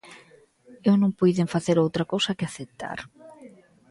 Eu non puiden facer outra cousa que aceptar.